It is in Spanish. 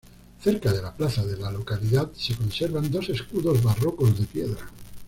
Cerca de la plaza de la localidad se conservan dos escudos barrocos de piedra.